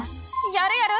やるやる。